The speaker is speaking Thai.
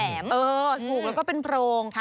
ถูกแล้วก็เป็นโพรง